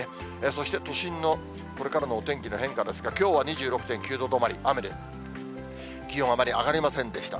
そして、都心のこれからのお天気の変化ですが、きょうは２６．９度止まり、雨で、気温があまり上がりませんでした。